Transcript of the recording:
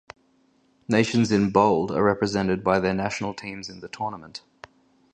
Nations in bold are represented by their national teams in the tournament.